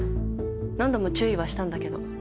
何度も注意はしたんだけど。